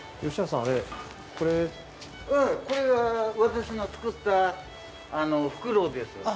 うんこれは私の作ったフクロウです。